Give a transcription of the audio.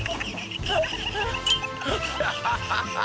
ハハハハ！